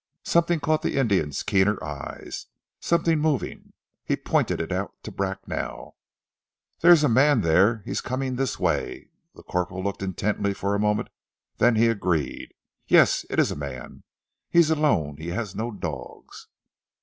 Something caught the Indian's keener eyes, something moving. He pointed it out to Bracknell. "There is a man there. He is coming this way!" The corporal looked intently for a moment, then he agreed. "Yes, it is a man. He is alone. He has no dogs."